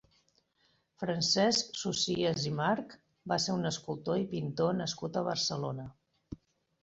Francesc Socies i March va ser un escultor i pintor nascut a Barcelona.